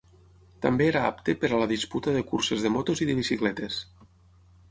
També era apte per a la disputa de curses de motos i de bicicletes.